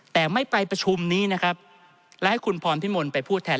แต่ไม่ไปประชุมนี้นะครับและให้คุณพรพิมลไปพูดแทน